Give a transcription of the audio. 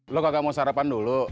lo kagak mau sarapan dulu